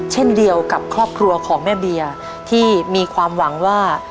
เช่นเดียวกับครอบครัวของแม่เบียร์ที่มีความหวังว่า